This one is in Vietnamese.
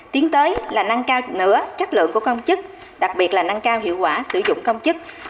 tiến tới là nâng cao nữa chất lượng của công chức đặc biệt là nâng cao hiệu quả sử dụng công chức